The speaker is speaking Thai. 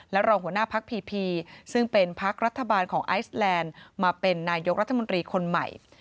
รองหัวหน้าพักพีพีซึ่งเป็นพักรัฐบาลของไอซแลนด์มาเป็นนายกรัฐมนตรีคนใหม่